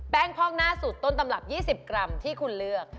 พอกหน้าสูตรต้นตำรับ๒๐กรัมที่คุณเลือก